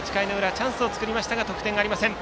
チャンスを作りましたが得点はありません。